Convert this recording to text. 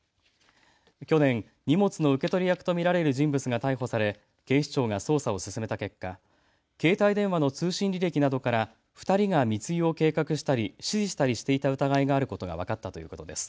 去年、荷物の受け取り役と見られる人物が逮捕され警視庁が捜査を進めた結果、携帯電話の通信履歴などから２人が密輸を計画したり指示したりしていた疑いがあることが分かったということです。